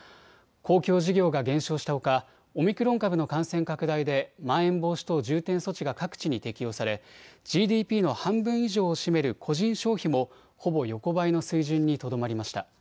公共事業が減少したほかオミクロン株の感染拡大でまん延防止等重点措置が各地に適用されＧＤＰの半分以上を占める個人消費もほぼ横ばいの水準にとどまりました。